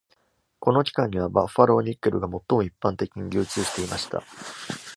この期間には、バッファローニッケルが最も一般的に流通していました。